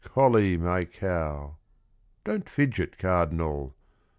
Colly my cow ! Don't fidget, Cardinal